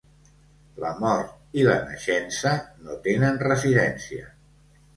La mort i la naixença no tenen residència.